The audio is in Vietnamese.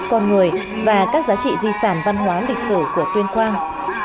con người và các giá trị di sản văn hóa lịch sử của tuyên quang